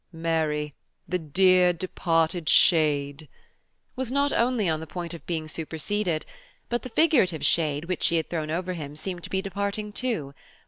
"Mary, the dear departed shade," was not only on the point of being superseded, but the figurative shade which she had thrown over him seemed to be departing too.